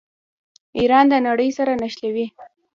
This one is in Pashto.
ایران د نړۍ سره نښلوي.